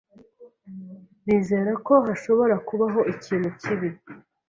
bizere ko hashobora kubaho ikintu kibi ....